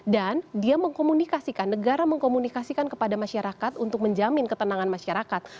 dan dia mengkomunikasikan negara mengkomunikasikan kepada masyarakat untuk menjamin ketenangan masyarakat